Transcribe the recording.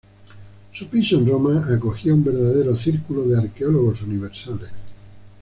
Su piso en Roma acogía un verdadero círculo de arqueólogos universales.